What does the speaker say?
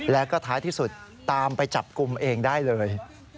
แล้วก็ท้ายที่สุดตามไปจับกลุ่มเองได้เลย